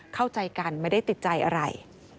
เข้าใจกันไม่ได้ติดใจอะไร